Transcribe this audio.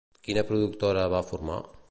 Quina productora va formar?